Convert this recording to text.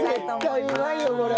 絶対うまいよこれ。